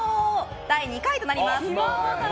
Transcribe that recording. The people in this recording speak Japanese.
第２回となります。